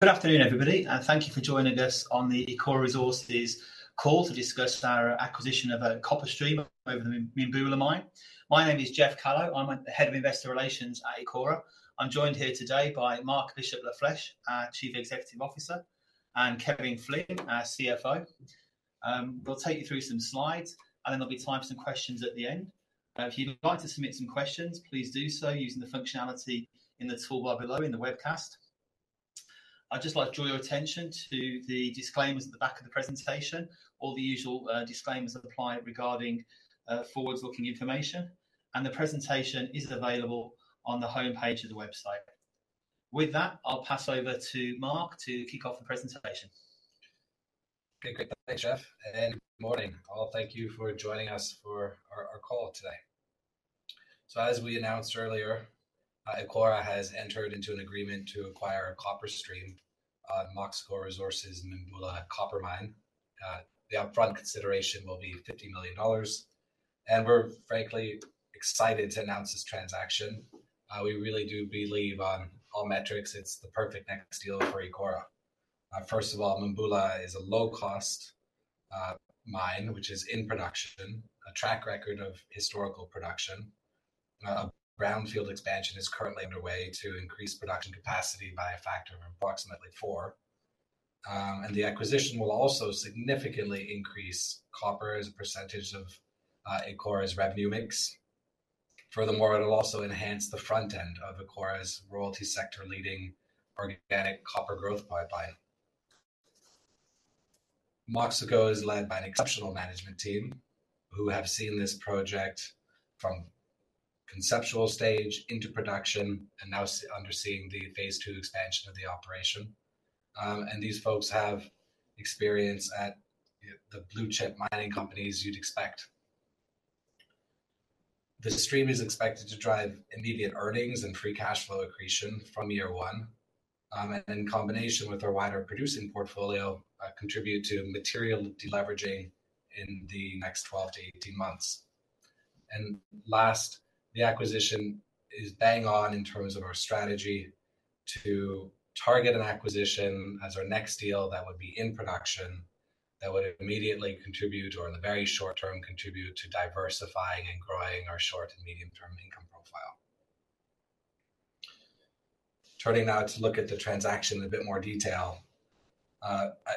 Good afternoon, everybody. Thank you for joining us on the Ecora Resources call to discuss our acquisition of a copper stream over the Mimbula mine. My name is Geoff Callow. I'm the Head of Investor Relations at Ecora. I'm joined here today by Marc Bishop Lafleche, Chief Executive Officer, and Kevin Flynn, our CFO. We'll take you through some slides, and then there'll be time for some questions at the end. If you'd like to submit some questions, please do so using the functionality in the toolbar below in the webcast. I'd just like to draw your attention to the disclaimers at the back of the presentation. All the usual disclaimers apply regarding forward-looking information, and the presentation is available on the homepage of the website. With that, I'll pass over to Marc to kick off the presentation. Okay, good. Thanks, Geoff. Good morning. Thank you for joining us for our call today. As we announced earlier, Ecora has entered into an agreement to acquire a copper stream at Moxico Resources Mimbula Copper Mine. The upfront consideration will be $50 million, and we're frankly excited to announce this transaction. We really do believe on all metrics it's the perfect next deal for Ecora. First of all, Mimbula is a low-cost mine, which is in production, a track record of historical production. A brownfield expansion is currently underway to increase production capacity by a factor of approximately four, and the acquisition will also significantly increase copper as a percentage of Ecora's revenue mix. Furthermore, it'll also enhance the front end of Ecora's royalty sector-leading organic copper growth pipeline. Moxico is led by an exceptional management team who have seen this project from conceptual stage into production and now overseeing the Phase II expansion of the operation. These folks have experience at the blue-chip mining companies you'd expect. The stream is expected to drive immediate earnings and free cash flow accretion from year one, and in combination with our wider producing portfolio, contribute to material deleveraging in the next 12 months-18 months. Last, the acquisition is bang on in terms of our strategy to target an acquisition as our next deal that would be in production that would immediately contribute, or in the very short term, contribute to diversifying and growing our short and medium-term income profile. Turning now to look at the transaction in a bit more detail,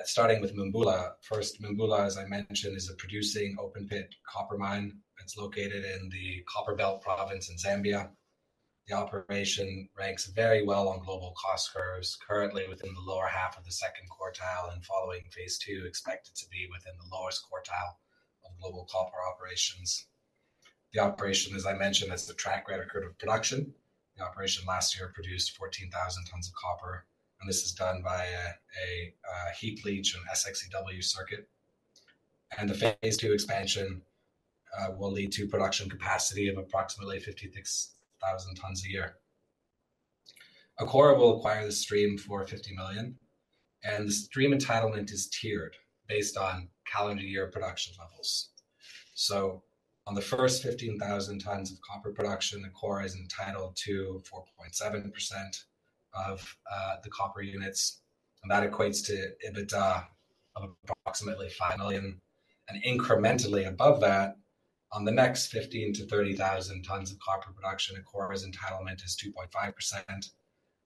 starting with Mimbula first. Mimbula, as I mentioned, is a producing open-pit copper mine. It's located in the Copperbelt Province in Zambia. The operation ranks very well on global cost curves, currently within the lower half of the second quartile and following Phase II, expected to be within the lowest quartile of global copper operations. The operation, as I mentioned, has a track record of production. The operation last year produced 14,000 tons of copper, and this is done by a heap leach and SX-EW circuit. The Phase II expansion will lead to production capacity of approximately 56,000 tons a year. Ecora will acquire the stream for $50 million, and the stream entitlement is tiered based on calendar year production levels. On the first 15,000 tons of copper production, Ecora is entitled to 4.7% of the copper units, and that equates to EBITDA of approximately $5 million. Incrementally above that, on the next 15,000 tons-30,000 tons of copper production, Ecora's entitlement is 2.5%.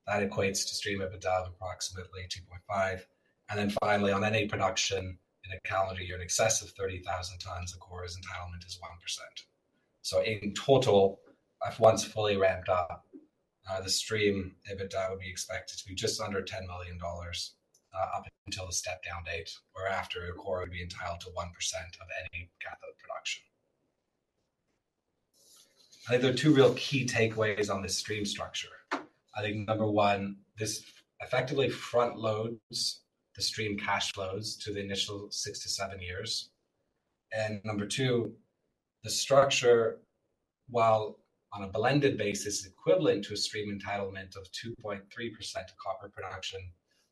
That equates to stream EBITDA of approximately 2.5%. Finally, on any production in a calendar year in excess of 30,000 tons, Ecora's entitlement is 1%. In total, if once fully ramped up, the stream EBITDA would be expected to be just under $10 million up until the step-down date, whereafter Ecora would be entitled to 1% of any cathode production. I think there are two real key takeaways on this stream structure. Number one, this effectively front-loads the stream cash flows to the initial six to seven years. Number two, the structure, while on a blended basis, is equivalent to a stream entitlement of 2.3% of copper production.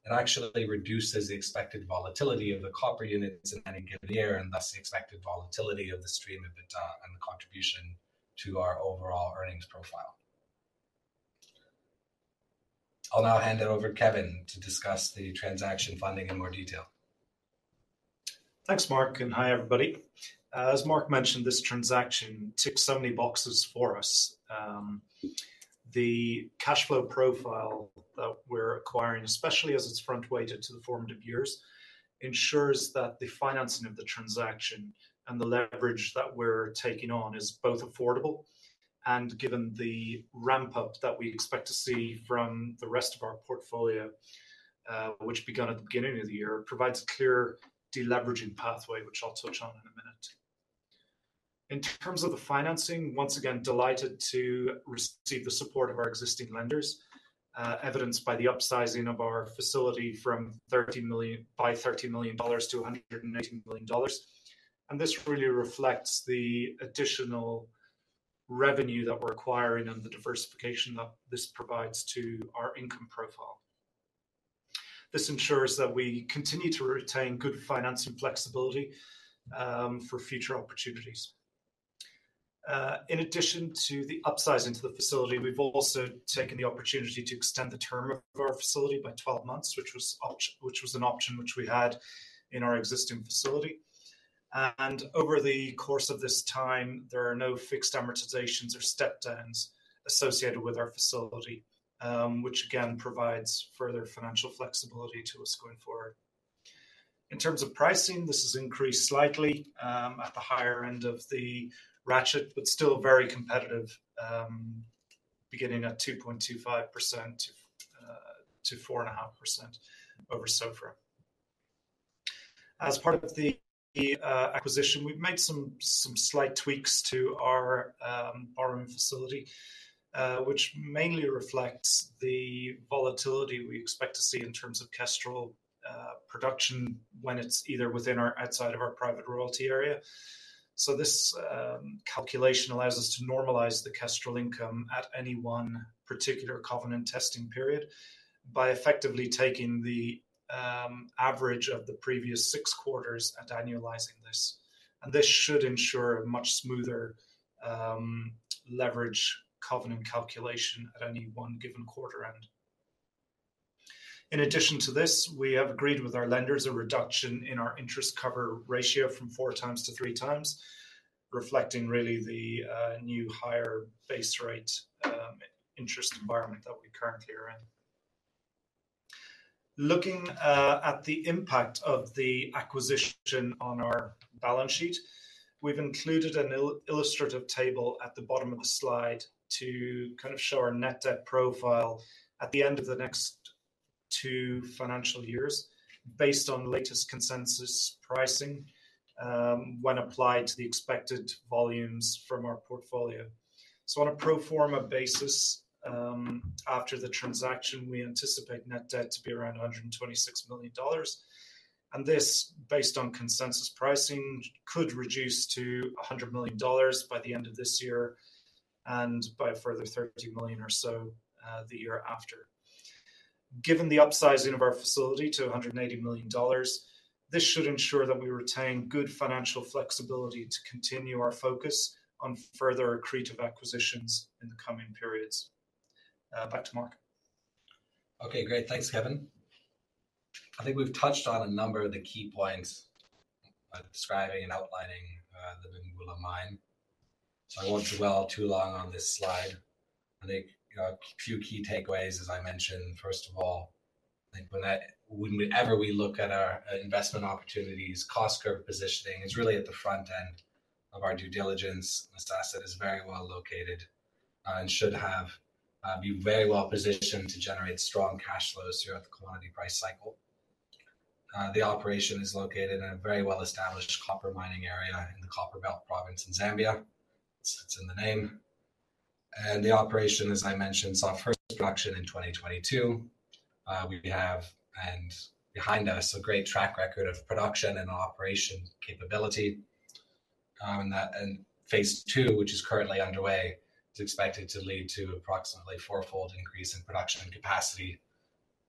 It actually reduces the expected volatility of the copper units in any given year and thus the expected volatility of the stream EBITDA and the contribution to our overall earnings profile. I'll now hand it over to Kevin to discuss the transaction funding in more detail. Thanks, Marc. Hi, everybody. As Marc mentioned, this transaction ticks so many boxes for us. The cash flow profile that we're acquiring, especially as it's front-weighted to the formative years, ensures that the financing of the transaction and the leverage that we're taking on is both affordable and, given the ramp-up that we expect to see from the rest of our portfolio, which began at the beginning of the year, provides a clear deleveraging pathway, which I'll touch on in a minute. In terms of the financing, once again, delighted to receive the support of our existing lenders, evidenced by the upsizing of our facility from $30 million by $30 million-$180 million. This really reflects the additional revenue that we're acquiring and the diversification that this provides to our income profile. This ensures that we continue to retain good financing flexibility for future opportunities. In addition to the upsizing to the facility, we have also taken the opportunity to extend the term of our facility by 12 months, which was an option which we had in our existing facility. Over the course of this time, there are no fixed amortizations or step-downs associated with our facility, which again provides further financial flexibility to us going forward. In terms of pricing, this has increased slightly at the higher end of the ratchet, but still very competitive, beginning at 2.25%-4.5% over SOFR. As part of the acquisition, we have made some slight tweaks to our RCF facility, which mainly reflects the volatility we expect to see in terms of Kestrel production when it is either within or outside of our private royalty area. This calculation allows us to normalize the Kestrel income at any one particular covenant testing period by effectively taking the average of the previous six quarters and annualizing this. This should ensure a much smoother leverage covenant calculation at any one given quarter end. In addition to this, we have agreed with our lenders a reduction in our interest cover ratio from 4x-3x, reflecting really the new higher base rate interest environment that we currently are in. Looking at the impact of the acquisition on our balance sheet, we have included an illustrative table at the bottom of the slide to kind of show our net debt profile at the end of the next two financial years based on the latest consensus pricing when applied to the expected volumes from our portfolio. On a pro forma basis, after the transaction, we anticipate net debt to be around $126 million. This, based on consensus pricing, could reduce to $100 million by the end of this year and by a further $30 million or so the year after. Given the upsizing of our facility to $180 million, this should ensure that we retain good financial flexibility to continue our focus on further accretive acquisitions in the coming periods. Back to Marc. Okay, great. Thanks, Kevin. I think we've touched on a number of the key points by describing and outlining the Mimbula mine. I won't dwell too long on this slide. I think a few key takeaways, as I mentioned. First of all, I think whenever we look at our investment opportunities, cost curve positioning is really at the front end of our due diligence. This asset is very well located and should be very well positioned to generate strong cash flows throughout the commodity price cycle. The operation is located in a very well-established copper mining area in the Copperbelt Province in Zambia. It's in the name. The operation, as I mentioned, saw first production in 2022. We have, and behind us, a great track record of production and operation capability. Phase II, which is currently underway, is expected to lead to an approximately four-fold increase in production capacity,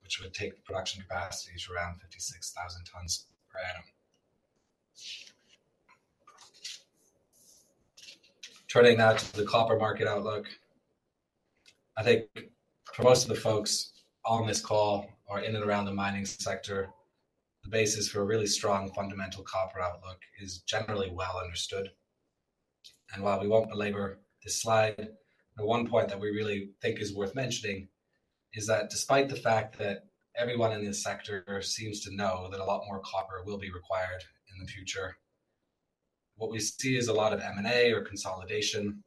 which would take production capacity to around 56,000 tons per annum. Turning now to the copper market outlook, I think for most of the folks on this call or in and around the mining sector, the basis for a really strong fundamental copper outlook is generally well understood. While we will not belabor this slide, the one point that we really think is worth mentioning is that despite the fact that everyone in this sector seems to know that a lot more copper will be required in the future, what we see is a lot of M&A or consolidation.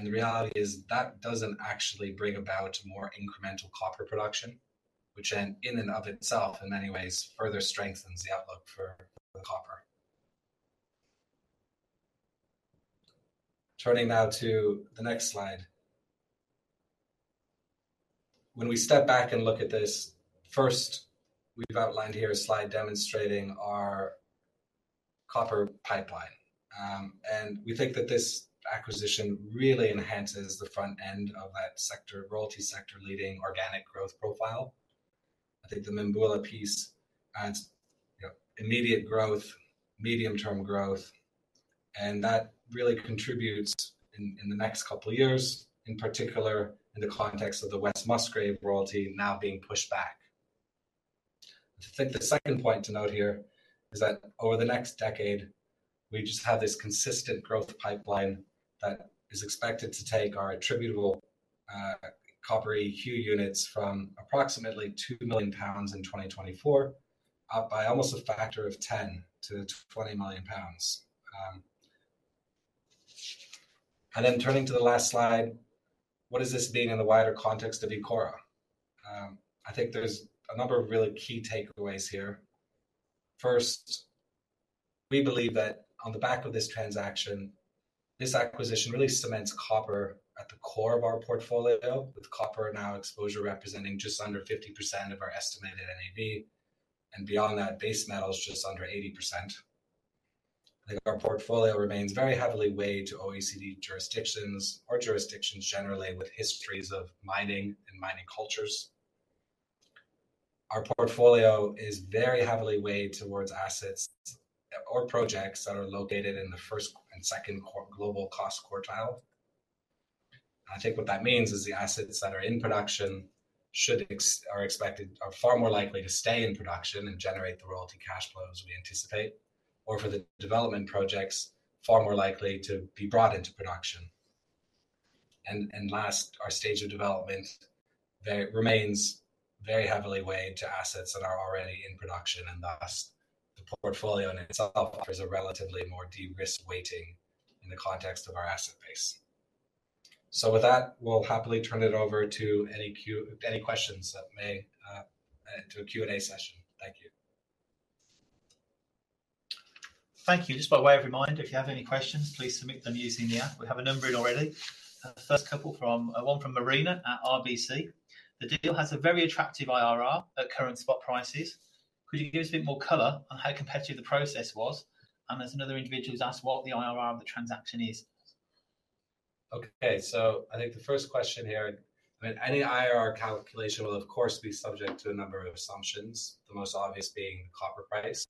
The reality is that does not actually bring about more incremental copper production, which in and of itself, in many ways, further strengthens the outlook for copper. Turning now to the next slide. When we step back and look at this, first, we've outlined here a slide demonstrating our copper pipeline. We think that this acquisition really enhances the front end of that sector, royalty sector-leading organic growth profile. I think the Mimbula piece adds immediate growth, medium-term growth, and that really contributes in the next couple of years, in particular in the context of the West Musgrave royalty now being pushed back. I think the second point to note here is that over the next decade, we just have this consistent growth pipeline that is expected to take our attributable copper Eq units from approximately 2 million pounds in 2024 up by almost a factor of 10million-20 million lbs. Turning to the last slide, what does this mean in the wider context of Ecora? I think there's a number of really key takeaways here. First, we believe that on the back of this transaction, this acquisition really cements copper at the core of our portfolio, with copper now exposure representing just under 50% of our estimated NAV and beyond that, base metals just under 80%. I think our portfolio remains very heavily weighed to OECD jurisdictions or jurisdictions generally with histories of mining and mining cultures. Our portfolio is very heavily weighed towards assets or projects that are located in the first and second global cost quartile. I think what that means is the assets that are in production are expected or far more likely to stay in production and generate the royalty cash flows we anticipate, or for the development projects, far more likely to be brought into production. Our stage of development remains very heavily weighed to assets that are already in production, and thus the portfolio in itself offers a relatively more de-risk weighting in the context of our asset base. With that, we'll happily turn it over to any questions that may add to a Q&A session. Thank you. Thank you. Just by way of reminder, if you have any questions, please submit them using the app. We have a number in already. First couple from one from Marina at RBC. The deal has a very attractive IRR at current spot prices. Could you give us a bit more color on how competitive the process was? There is another individual who has asked what the IRR of the transaction is. Okay. I think the first question here, I mean, any IRR calculation will, of course, be subject to a number of assumptions, the most obvious being the copper price.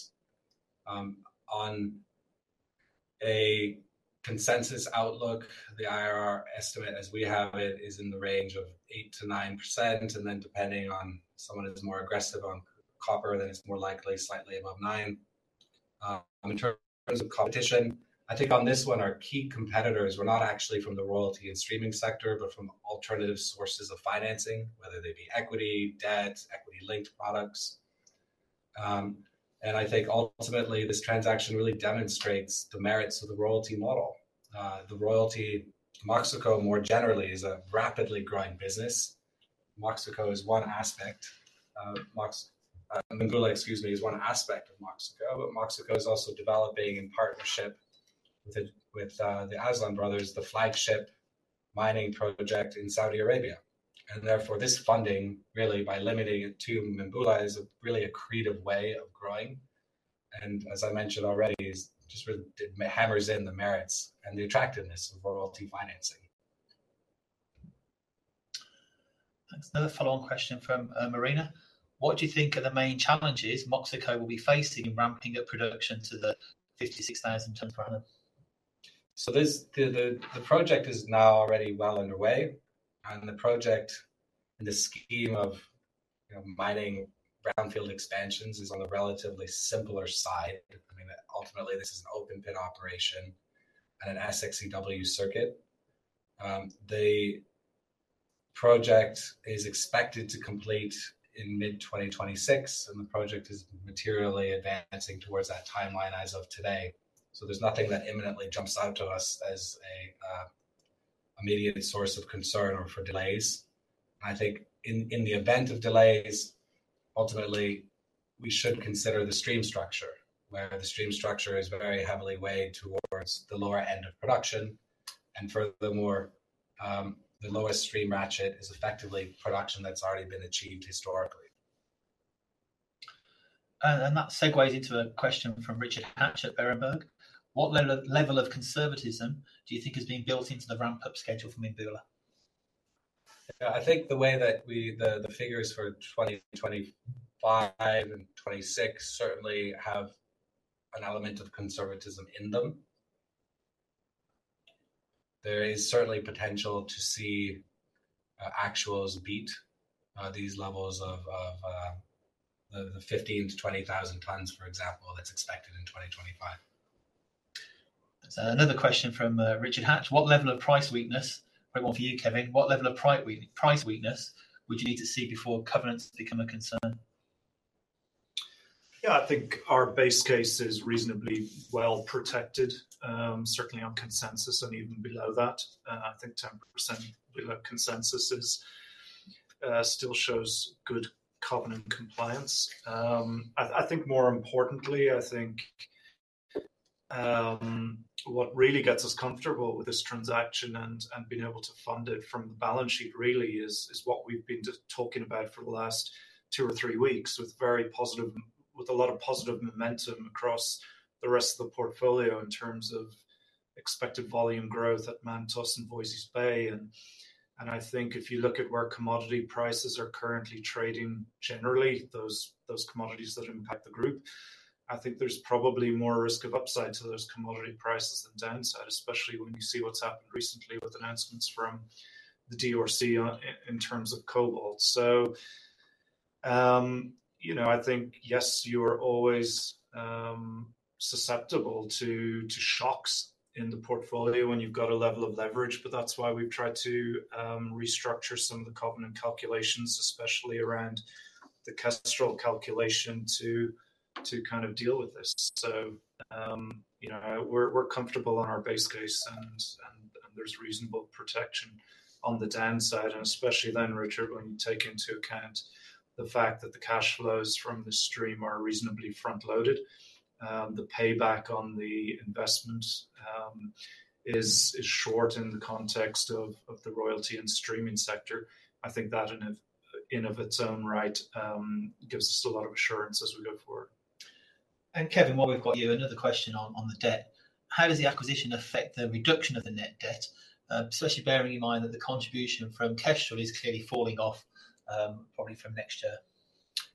On a consensus outlook, the IRR estimate, as we have it, is in the range of 8%-9%. Then depending on someone who's more aggressive on copper, it's more likely slightly above 9%. In terms of competition, I think on this one, our key competitors were not actually from the royalty and streaming sector, but from alternative sources of financing, whether they be equity, debt, equity-linked products. I think ultimately, this transaction really demonstrates the merits of the royalty model. The royalty, Moxico more generally, is a rapidly growing business. Moxico is one aspect of Mimbula, excuse me, is one aspect of Moxico, but Moxico is also developing in partnership with the Ajlan Brothers, the flagship mining project in Saudi Arabia. Therefore, this funding, really by limiting it to Mimbula, is really a creative way of growing. As I mentioned already, it just hammers in the merits and the attractiveness of royalty financing. Thanks. Another follow-on question from Marina. What do you think are the main challenges Moxico will be facing in ramping up production to the 56,000 tons per annum? The project is now already well underway. The project, in the scheme of mining brownfield expansions, is on the relatively simpler side. I mean, ultimately, this is an open-pit operation and an SX-EW circuit. The project is expected to complete in mid-2026, and the project is materially advancing towards that timeline as of today. There is nothing that imminently jumps out to us as an immediate source of concern or for delays. I think in the event of delays, ultimately, we should consider the stream structure, where the stream structure is very heavily weighed towards the lower end of production. Furthermore, the lowest stream ratchet is effectively production that has already been achieved historically. That segues into a question from Richard Hatch at Berenberg. What level of conservatism do you think is being built into the ramp-up schedule for Mimbula? Yeah, I think the way that the figures for 2025 and 2026 certainly have an element of conservatism in them. There is certainly potential to see actuals beat these levels of the 15,000 tons-20,000 tons, for example, that's expected in 2025. Another question from Richard Hatch. What level of price weakness, very well for you, Kevin, what level of price weakness would you need to see before covenants become a concern? Yeah, I think our base case is reasonably well protected, certainly on consensus and even below that. I think 10% below consensus still shows good covenant compliance. More importantly, I think what really gets us comfortable with this transaction and being able to fund it from the balance sheet really is what we've been talking about for the last two or three weeks with a lot of positive momentum across the rest of the portfolio in terms of expected volume growth at Mantos and Voisey's Bay. I think if you look at where commodity prices are currently trading generally, those commodities that impact the group, I think there's probably more risk of upside to those commodity prices than downside, especially when you see what's happened recently with announcements from the DRC in terms of cobalt. I think, yes, you are always susceptible to shocks in the portfolio when you've got a level of leverage, but that's why we've tried to restructure some of the covenant calculations, especially around the Kestrel calculation to kind of deal with this. We're comfortable on our base case, and there's reasonable protection on the downside. Especially then, Richard, when you take into account the fact that the cash flows from the stream are reasonably front-loaded, the payback on the investment is short in the context of the royalty and streaming sector. I think that in and of its own right gives us a lot of assurance as we go forward. Kevin, while we have you, another question on the debt. How does the acquisition affect the reduction of the net debt, especially bearing in mind that the contribution from Kestrel is clearly falling off probably from next year?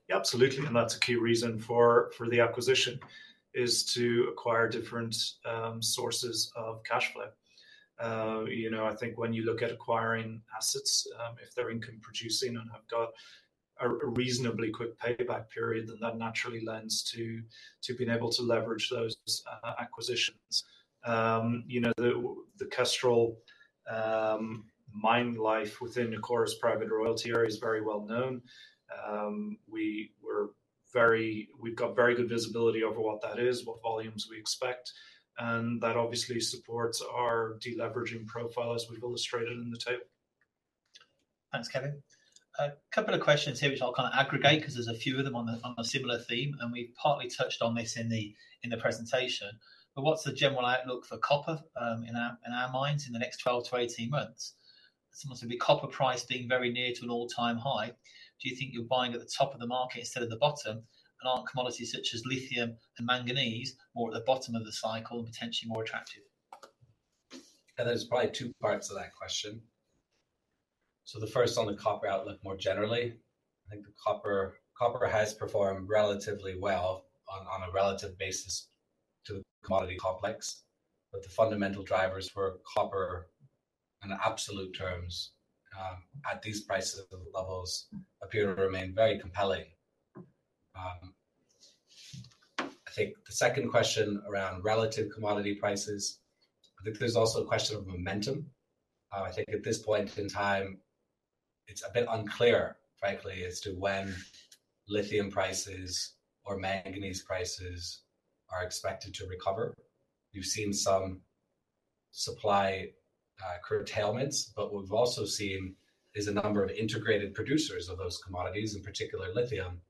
Yeah, absolutely. That is a key reason for the acquisition, to acquire different sources of cash flow. I think when you look at acquiring assets, if they are income-producing and have got a reasonably quick payback period, then that naturally lends to being able to leverage those acquisitions. The Kestrel mine life within Ecora's private royalty area is very well known. We have got very good visibility over what that is, what volumes we expect. That obviously supports our deleveraging profile, as we have illustrated in the table. Thanks, Kevin. A couple of questions here, which I'll kind of aggregate because there's a few of them on a similar theme. We've partly touched on this in the presentation. What's the general outlook for copper in our minds in the next 12 months-18 months? It's almost to be copper price being very near to an all-time high. Do you think you're buying at the top of the market instead of the bottom? Aren't commodities such as lithium and manganese more at the bottom of the cycle and potentially more attractive? Yeah, there's probably two parts of that question. The first on the copper outlook more generally, I think copper has performed relatively well on a relative basis to the commodity complex. The fundamental drivers for copper in absolute terms at these price levels appear to remain very compelling. The second question around relative commodity prices, I think there's also a question of momentum. I think at this point in time, it's a bit unclear, frankly, as to when lithium prices or manganese prices are expected to recover. We've seen some supply curtailments, but what we've also seen is a number of integrated producers of those commodities, in particular lithium,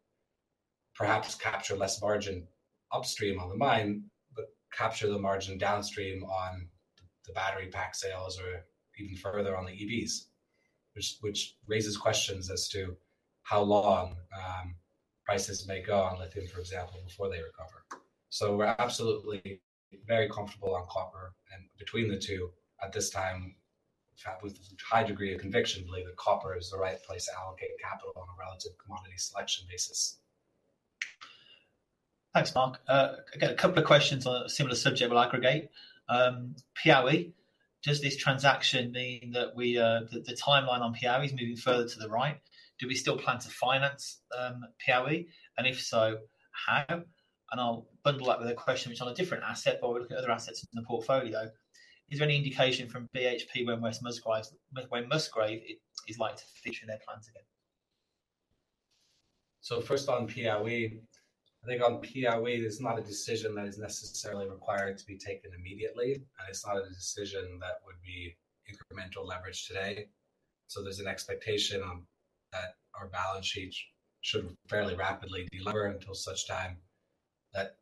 perhaps capture less margin upstream on the mine, but capture the margin downstream on the battery pack sales or even further on the EVs, which raises questions as to how long prices may go on lithium, for example, before they recover. We are absolutely very comfortable on copper. Between the two, at this time, with a high degree of conviction, I believe that copper is the right place to allocate capital on a relative commodity selection basis. Thanks, Marc. Again, a couple of questions on a similar subject. We'll aggregate. Piauí, does this transaction mean that the timeline on Piauí, moving further to the right, do we still plan to finance Piauí, and if so, how? I'll bundle that with a question which on a different asset, but we're looking at other assets in the portfolio. Is there any indication from BHP when West Musgrave is likely to feature in their plans again? First on Piauí, I think on Piauí, there's not a decision that is necessarily required to be taken immediately. It's not a decision that would be incremental leverage today. There's an expectation that our balance sheet should fairly rapidly deliver until such time that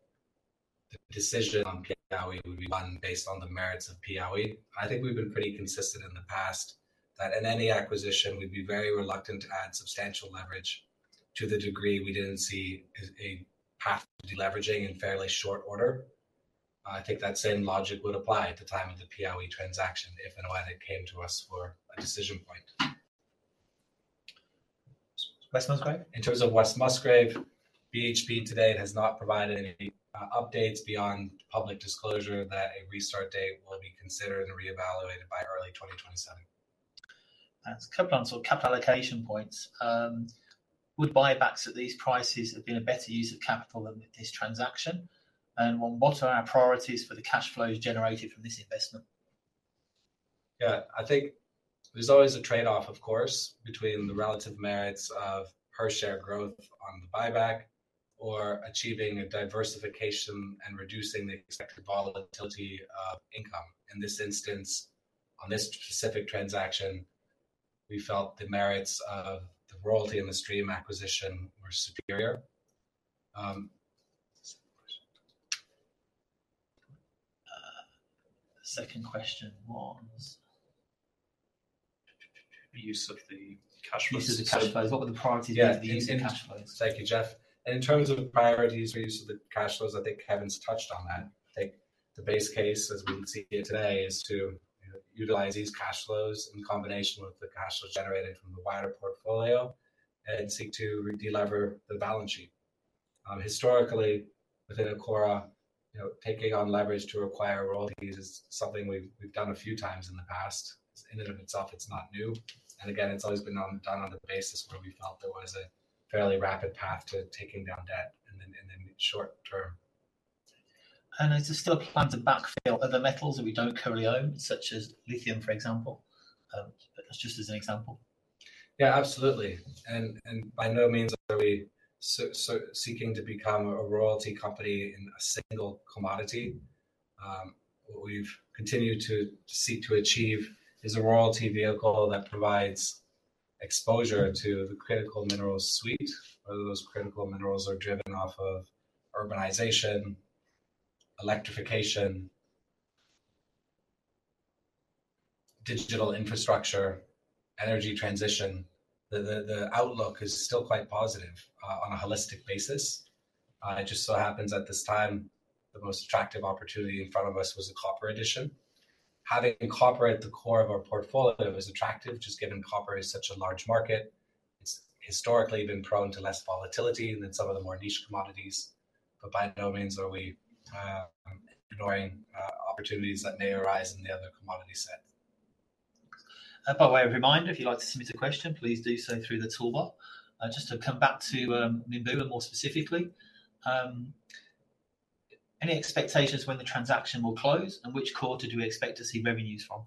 the decision on Piauí, we would be done based on the merits of Piauí. I think we've been pretty consistent in the past that in any acquisition, we'd be very reluctant to add substantial leverage to the degree we didn't see a path to deleveraging in fairly short order. I think that same logic would apply at the time of the Piauí transaction if and when it came to us for a decision point. West Musgrave? In terms of West Musgrave, BHP today has not provided any updates beyond public disclosure that a restart date will be considered and reevaluated by early 2027. Thanks. A couple of answers. Capital allocation points. Would buybacks at these prices have been a better use of capital than with this transaction? What are our priorities for the cash flows generated from this investment? Yeah, I think there's always a trade-off, of course, between the relative merits of per-share growth on the buyback or achieving a diversification and reducing the expected volatility of income. In this instance, on this specific transaction, we felt the merits of the royalty and the stream acquisition were superior. Second question was. The use of the cash flows. The use of the cash flows. What were the priorities for the use of cash flows? Thank you, Geoff. In terms of priorities for use of the cash flows, I think Kevin's touched on that. I think the base case, as we see it today, is to utilize these cash flows in combination with the cash flows generated from the wider portfolio and seek to delever the balance sheet. Historically, within Ecora, taking on leverage to acquire royalties is something we've done a few times in the past. In and of itself, it's not new. It has always been done on the basis where we felt there was a fairly rapid path to taking down debt in the short term. Is there still a plan to backfill other metals that we don't currently own, such as lithium, for example? That's just as an example. Yeah, absolutely. By no means are we seeking to become a royalty company in a single commodity. What we've continued to seek to achieve is a royalty vehicle that provides exposure to the critical minerals suite, whether those critical minerals are driven off of urbanization, electrification, digital infrastructure, energy transition. The outlook is still quite positive on a holistic basis. It just so happens at this time, the most attractive opportunity in front of us was a copper addition. Having copper at the core of our portfolio is attractive, just given copper is such a large market. It's historically been prone to less volatility than some of the more niche commodities. By no means are we ignoring opportunities that may arise in the other commodity set. By way of reminder, if you'd like to submit a question, please do so through the toolbar. Just to come back to Mimbula more specifically, any expectations when the transaction will close and which quarter did we expect to see revenues from?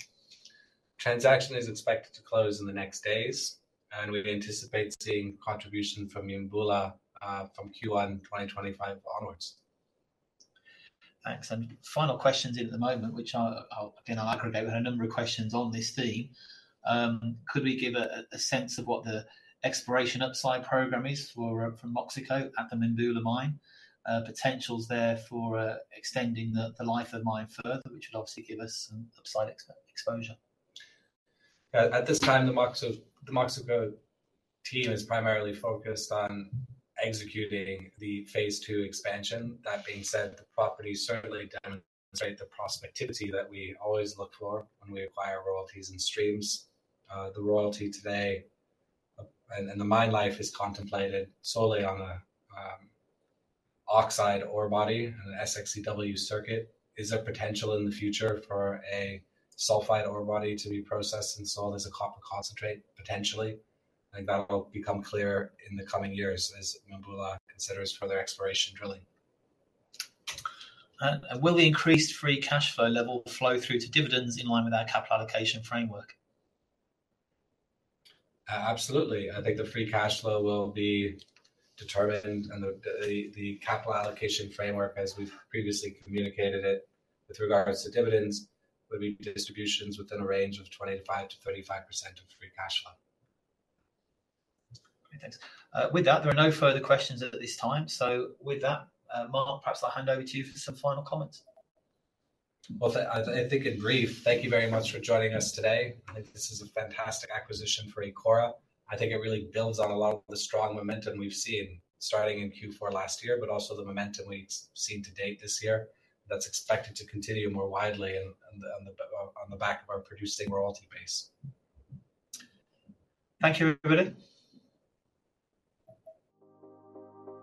Transaction is expected to close in the next days. We anticipate seeing contribution from Mimbula from Q1 2025 onwards. Thanks. Final questions in at the moment, which I'll again, I'll aggregate with a number of questions on this theme. Could we give a sense of what the exploration upside program is from Moxico at the Mimbula mine? Potentials there for extending the life of mine further, which would obviously give us some upside exposure. At this time, the Moxico team is primarily focused on executing the Phase II expansion. That being said, the properties certainly demonstrate the prospectivity that we always look for when we acquire royalties and streams. The royalty today and the mine life is contemplated solely on an oxide ore body and an SX-EW circuit. Is there potential in the future for a sulfide ore body to be processed and sold as a copper concentrate potentially? I think that'll become clear in the coming years as Mimbula considers further exploration drilling. Will the increased free cash flow level flow through to dividends in line with our capital allocation framework? Absolutely. I think the free cash flow will be determined. The capital allocation framework, as we've previously communicated it with regards to dividends, would be distributions within a range of 25%-35% of free cash flow. Thanks. With that, there are no further questions at this time. With that, Marc, perhaps I'll hand over to you for some final comments. I think in brief, thank you very much for joining us today. I think this is a fantastic acquisition for Ecora. I think it really builds on a lot of the strong momentum we've seen starting in Q4 last year, but also the momentum we've seen to date this year that's expected to continue more widely on the back of our producing royalty base. Thank you, everybody.